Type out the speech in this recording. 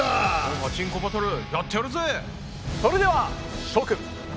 ガチンコバトルやってやるぜ！